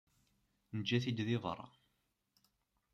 Neǧǧa-t-id di berra.